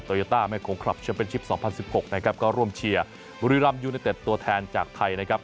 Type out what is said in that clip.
โยต้าแม่โขงคลับแชมเป็นชิป๒๐๑๖นะครับก็ร่วมเชียร์บุรีรำยูเนเต็ดตัวแทนจากไทยนะครับ